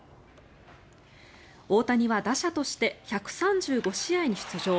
大谷は打者として１３５試合に出場。